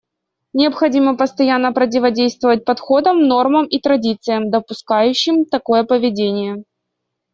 Необходимо постоянно противодействовать подходам, нормам и традициям, допускающим такое поведение.